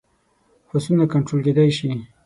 هوسونه کنټرول کېدای شي.